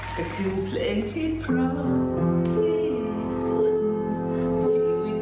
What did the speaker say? ขอให้ทุกคนกินเพลงที่สุด